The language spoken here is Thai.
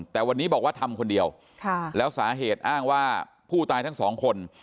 แต่วันนี้บอกว่าทำคนเดียวแล้วสาเหตุอ้างว่าผู้ตายทั้งสองคน